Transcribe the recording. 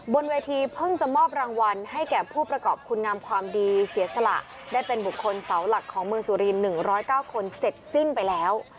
บนเวทีเพิ่งจะมอบรางวัลให้แก่ผู้ประกอบคุณงามความดีเสียสละได้เป็นบุคคลเสาหลักของเมืองสุริน๑๐๙คนเสร็จสิ้นไปแล้ว